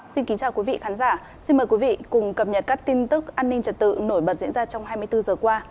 xin kính chào quý vị khán giả xin mời quý vị cùng cập nhật các tin tức an ninh trật tự nổi bật diễn ra trong hai mươi bốn giờ qua